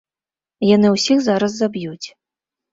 Яны ўсіх зараз заб'юць.